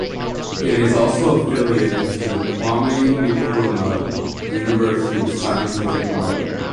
It is also affiliated to the Kwame Nkrumah University of Science and Technology.